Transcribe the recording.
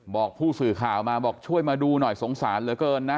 บอกผู้สื่อข่าวมาบอกช่วยมาดูหน่อยสงสารเหลือเกินนะ